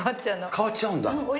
変わっちゃうんだ？